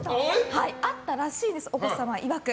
あったらしいです、奥様いわく。